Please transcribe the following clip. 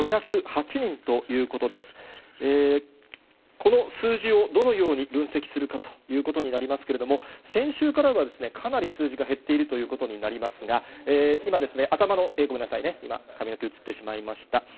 この数字をどのように分析するかということになりますけれども、先週からはかなり数字が減っているということになりますが、今、頭の、ごめんなさいね、髪の毛映ってしまいました。